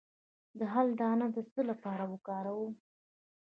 د هل دانه د څه لپاره وکاروم؟